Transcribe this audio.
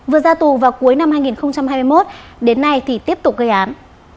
vừa ra tù vào cuối năm hai nghìn hai mươi một đến nay thì tiếp tục gây án